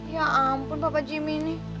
ya ampun bapak jimmy ini